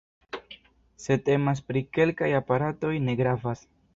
Se temas pri kelkaj aparatoj, ne gravas.